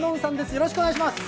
よろしくお願いします。